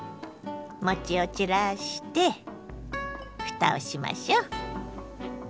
餅を散らしてふたをしましょ。